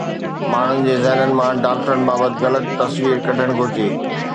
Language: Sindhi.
ماڻهن جي ذهنن مان ڊاڪٽرن بابت غلط تصوير ڪڍڻ گهرجي